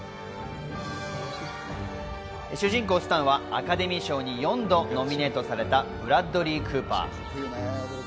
主人公・スタンはアカデミー賞に４度ノミネートされた、ブラッドリー・クーパー。